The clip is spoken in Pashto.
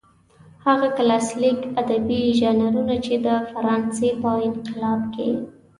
هغه کلاسلیک ادبي ژانرونه چې د فرانسې په انقلاب کې.